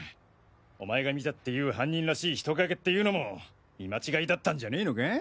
お前が見たっていう犯人らしい人影っていうのも見間違いだったんじゃねえのか？